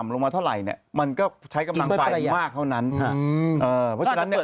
ลงมาเท่าไหร่เนี่ยมันก็ใช้กำลังไฟมากเท่านั้นเพราะฉะนั้นเนี่ย